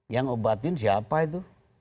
yang obatin siapa itu